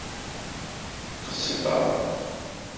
Qesba.